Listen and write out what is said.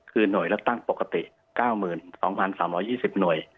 คือหน่วยเลือกตั้งปกติ๙๒๓๒๐หน่วย